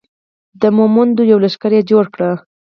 د مومندو یو لښکر یې جوړ کړ.